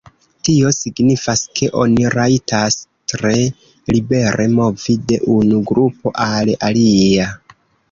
Tio signifas ke oni rajtas tre libere movi de unu grupo al alia.